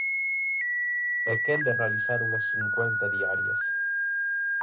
E quen de realizar unhas cincuenta diarias.